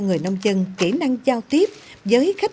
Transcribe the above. ở một cơ sở khác